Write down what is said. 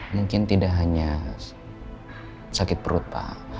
mungkin tidak hanya sakit perut pak